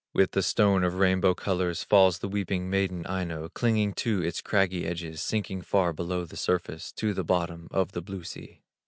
With the stone of rainbow colors, Falls the weeping maiden, Aino, Clinging to its craggy edges, Sinking far below the surface, To the bottom of the blue sea.